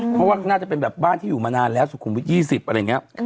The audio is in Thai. เพราะว่าน่าจะเป็นแบบบ้านที่อยู่มานานแล้วสุขุมวิท๒๐อะไรอย่างนี้